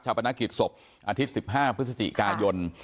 ชาวประณะกิจศพอาทิตย์๑๕พฤษฎีกายน